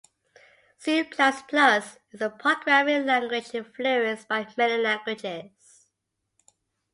C plus plus is a programming language influenced by many languages.